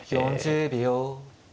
４０秒。